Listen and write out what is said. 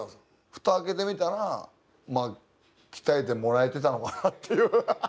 蓋開けてみたらまあ鍛えてもらえてたのかなという。